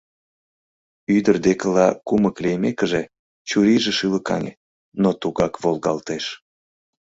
Ӱдыр декыла кумык лиймекыже, чурийже шӱлыкаҥе, но тугак волгалтеш: